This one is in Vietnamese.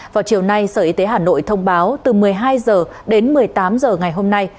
vào chiều nay sở y tế hà nội thông báo từ một mươi hai h đến một mươi tám h ngày hôm nay